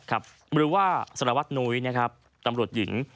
หรือว่าสลวทนุ้ยตำรวจหญิง